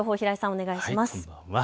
お願いします。